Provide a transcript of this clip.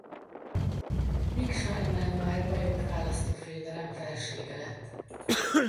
Miksa Emánuel bajor választófejedelem felesége lett.